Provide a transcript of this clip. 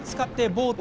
ボート。